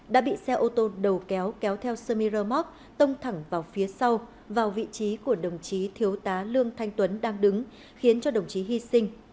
đã bị xe ô tô đầu kéo kéo theo sermiramoc tông thẳng vào phía sau vào vị trí của đồng chí thiếu tá lương thanh tuấn đang đứng khiến cho đồng chí hy sinh